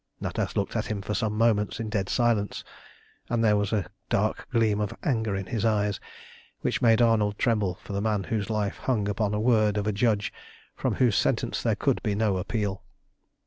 Natas looked at him for some moments in dead silence, and there was a dark gleam of anger in his eyes which made Arnold tremble for the man whose life hung upon a word of a judge from whose sentence there could be no appeal.